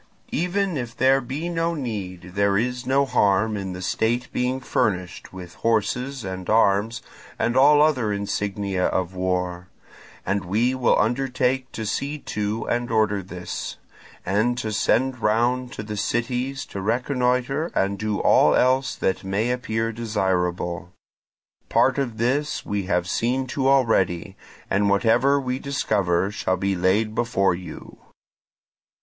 Even if there be no need, there is no harm in the state being furnished with horses and arms and all other insignia of war; and we will undertake to see to and order this, and to send round to the cities to reconnoitre and do all else that may appear desirable. Part of this we have seen to already, and whatever we discover shall be laid before you."